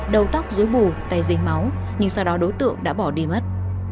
đầu tóc dưới bù tay dính máu nhưng sau đó đối tượng đã bỏ đi mất